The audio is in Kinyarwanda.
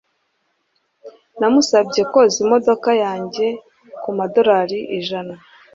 Namusabye koza imodoka yanjye kumadorari ijana.